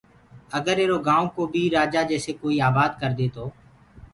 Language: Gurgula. اگر ايٚرو گآئو ڪو بيٚ رآجآ جيسي ڪوئيٚ آبآد ڪردي تو